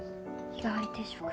日替わり定食。